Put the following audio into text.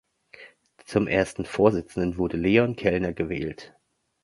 Zum ersten Vorsitzenden wurde Leon Kellner gewählt.